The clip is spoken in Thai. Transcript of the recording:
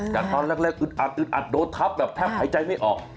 แต่ตอนแรกอึดอัดอึดอัดโดนทับแบบแทบหายใจไม่ออก